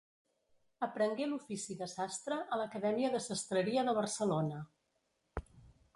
Aprengué l'ofici de sastre a l'Acadèmia de Sastreria de Barcelona.